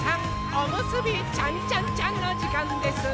おむすびちゃんちゃんちゃんのじかんです！